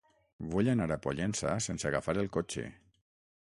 Vull anar a Pollença sense agafar el cotxe.